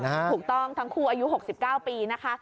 ถูกต้องทั้งคู่อายุ๖๙ปีนะคะ